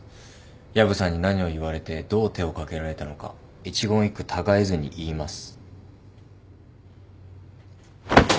薮さんに何を言われてどう手をかけられたのか一言一句たがえずに言います。